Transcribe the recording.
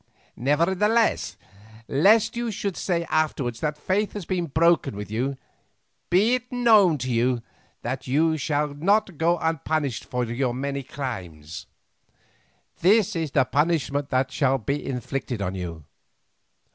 Nevertheless, lest you should say afterwards that faith has been broken with you, be it known to you, that you shall not go unpunished for your many crimes. This is the punishment that shall be inflicted on you.